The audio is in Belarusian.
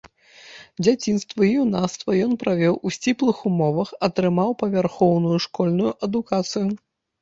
Дзяцінства і юнацтва ён правёў у сціплых умовах, атрымаў павярхоўную школьную адукацыю.